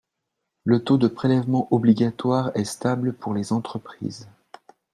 Le taux de prélèvement obligatoire est stable pour les entreprises.